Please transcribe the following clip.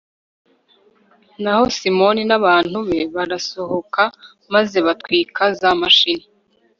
naho simoni n'abantu be barasohoka, maze batwika za mashini